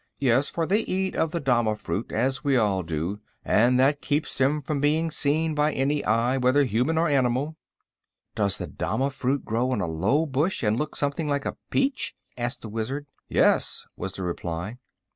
"Yes; for they eat of the dama fruit, as we all do, and that keeps them from being seen by any eye, whether human or animal." "Does the dama fruit grow on a low bush, and look something like a peach?" asked the Wizard. "Yes," was the reply.